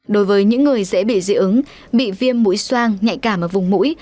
đối với những người dễ bị dị ứng bị viêm mũi soang nhạy cảm ở vùng mũi